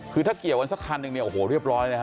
คือถ้าเกี่ยวอันสักครั้งหนึ่งโอ้โหเรียบร้อยนะครับ